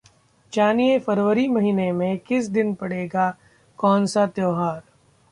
जानिए- फरवरी महीने में किस दिन पड़ेगा कौन सा त्योहार?